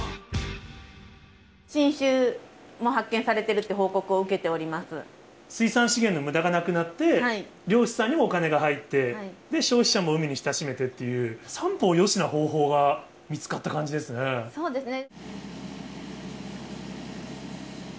新種も発見されてるっていう水産資源のむだがなくなって、漁師さんにもお金が入って、消費者も海に親しめてっていう、三方よしな方法が見つかった感じそうですね。